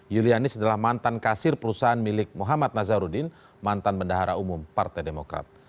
yulianis adalah mantan kasir perusahaan milik muhammad nazaruddin mantan bendahara umum partai demokrat